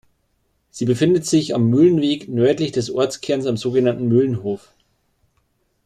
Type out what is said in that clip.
Sie befindet sich am Mühlenweg nördlich des Ortskerns am sogenannten "Mühlenhof".